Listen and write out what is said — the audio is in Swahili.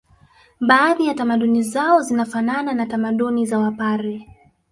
Baadhi ya tamaduni zao zinafanana na tamaduni za wapare